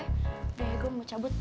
udah ya gue mau cabut